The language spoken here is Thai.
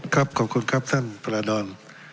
ครับขอบคุณครับท่านประดอล